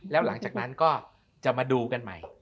แล้วหลังจากนั้นก็จะมาดูกันใหม่